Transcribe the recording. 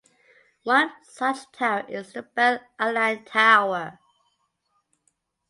One such tower is the Bell Aliant Tower.